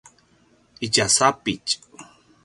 itja sapitj